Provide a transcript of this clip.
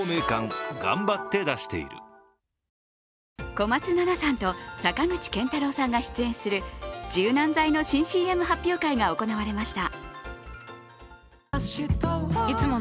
小松菜奈さんと坂口健太郎さんが出演する柔軟剤の新ＣＭ発表会が行われました。